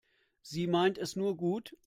Sie meint es nur gut.